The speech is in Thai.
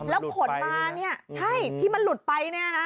แล้วขนมาเนี่ยใช่ที่มันหลุดไปเนี่ยนะ